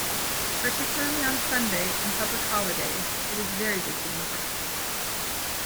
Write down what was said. Particularly on Sunday and Public Holiday, it is very busy in the parks.